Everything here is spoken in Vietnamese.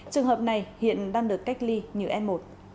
trường hợp này hiện đang được cách ly như f một